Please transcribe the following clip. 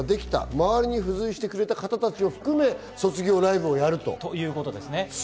周りに付随してくれた方たちを含め、卒業ライブをやるということですね。